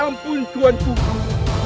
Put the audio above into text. ampun tuhan tuhan